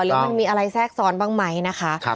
หรือมันมีอะไรแทรกซ้อนบ้างไหมนะคะ